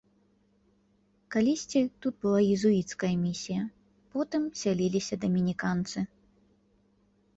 Калісьці тут была езуіцкая місія, потым сяліліся дамініканцы.